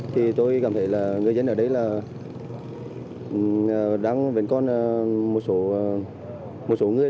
thì tôi cảm thấy là người dân ở đây là đang vệnh con một số người